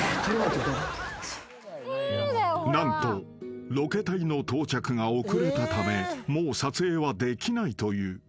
［何とロケ隊の到着が遅れたためもう撮影はできないという］